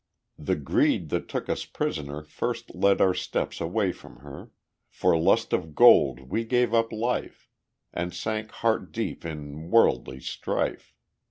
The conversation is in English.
IV The greed that took us prisoner First led our steps away from her; For lust of gold we gave up life, And sank heart deep in worldly strife.